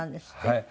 はい。